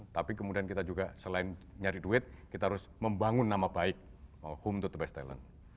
tapi kemudian kita juga selain nyari duit kita harus membangun nama baik home to the best talent